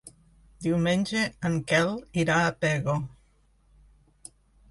Diumenge en Quel irà a Pego.